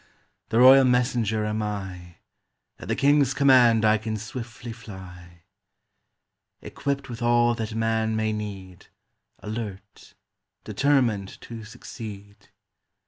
The Royal Messenger am I! At the King's command I can swiftly fly. Equipped with all that man may need, Alert, determined to succeed.